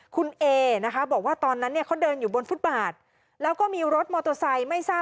คุณเอนะคะบอกว่าตอนนั้นเนี่ยเขาเดินอยู่บนฟุตบาทแล้วก็มีรถมอเตอร์ไซค์ไม่ทราบ